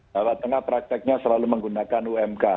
jawa tengah prakteknya selalu menggunakan umk